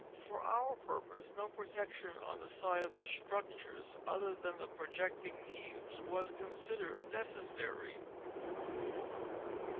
For our purpose no protection on the sides of the structures other than the projecting eaves was con sidered necessary.